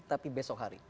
tapi besok hari